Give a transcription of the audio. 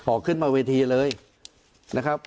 ขึ้นมาเวทีเลยนะครับ